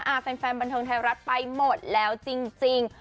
แฟนบันเทิงไทยรัฐไปหมดแล้วจริง